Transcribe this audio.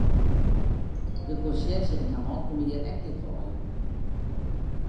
De konsjerzje en har man komme hjir ek net wei.